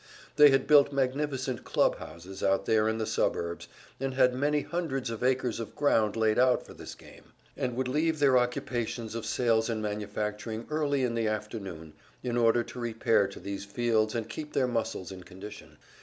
They had built magnificent club houses out here in the suburbs, and had many hundreds of acres of ground laid out for this game, and would leave their occupations of merchanting and manufacturing early in the afternoon, in order to repair to these fields and keep their muscles in condition.